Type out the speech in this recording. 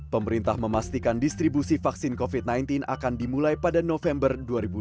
pemerintah memastikan distribusi vaksin covid sembilan belas akan dimulai pada november dua ribu dua puluh